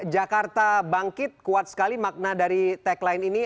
jakarta bangkit kuat sekali makna dari tagline ini